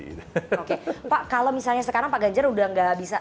pak kalau misalnya sekarang pak ganjar udah gak bisa